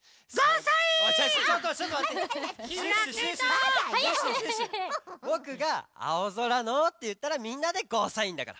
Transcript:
「開けドア」ぼくが「青空の」っていったらみんなで「ゴーサイン」だから。